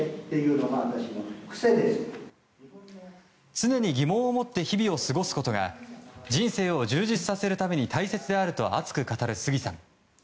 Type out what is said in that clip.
常に疑問を持って日々を過ごすことが人生を充実させるために大切であると熱く語る杉さん。